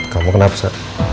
kamu kenapa sa